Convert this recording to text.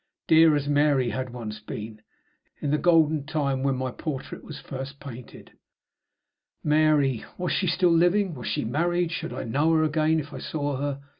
dear as Mary had once been, in the golden time when my portrait was first painted? Mary! Was she still living? Was she married? Should I know her again if I saw her?